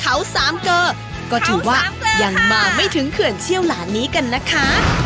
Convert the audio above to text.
เขาสามเกอร์ก็ถือว่ายังมาไม่ถึงเขื่อนเชี่ยวหลานนี้กันนะคะ